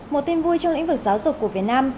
một tin vui trong lĩnh vực giáo dục của việt nam